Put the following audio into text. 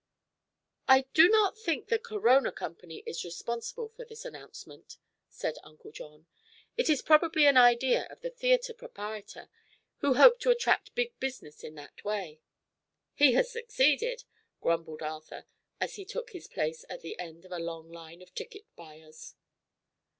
"I do not think the Corona Company is responsible for this announcement," said Uncle John. "It is probably an idea of the theatre proprietor, who hoped to attract big business in that way." "He has succeeded," grumbled Arthur, as he took his place at the end of a long line of ticket buyers.